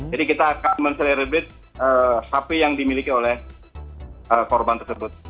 jadi kita akan mengecek hp yang dimiliki oleh korban tersebut